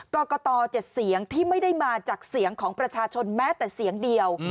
กรกต๗เสียงที่ไม่ได้มาจากเสียงของประชาชนแม้แต่เสียงเดียว